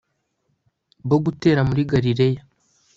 bo gutera muri galileya